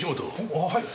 あっはい！